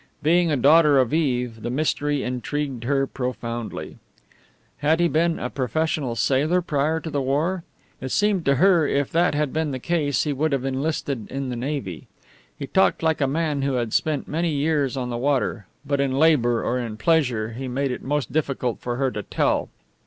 Being a daughter of Eve, the mystery intrigued her profoundly. Had he been a professional sailor prior to the war? It seemed to her if that had been the case he would have enlisted in the Navy. He talked like a man who had spent many years on the water; but in labour or in pleasure, he made it most difficult for her to tell.